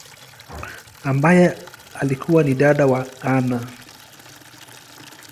ambaye alikua ni dada wa Anna.